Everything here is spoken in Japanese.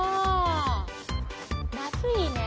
夏いいね。